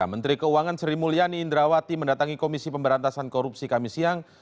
menteri keuangan sri mulyani indrawati mendatangi komisi pemberantasan korupsi kami siang